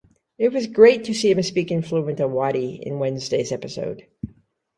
It was great to see him speak in fluent Awadhi in Wednesday's episode.